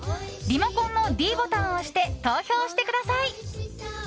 リモコンのｄボタンを押して投票してください。